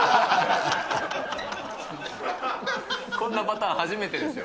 こんなパターン初めてですよ。